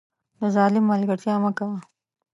د ظالم ملګرتیا مه کوه